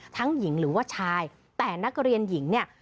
หญิงหรือว่าชายแต่นักเรียนหญิงเนี่ย